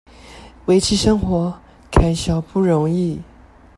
維持生活開銷不容易